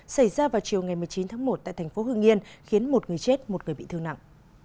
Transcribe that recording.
xảy ra vào chiều ngày một mươi chín tháng một tại thành phố hưng yên khiến một người chết một người bị thương nặng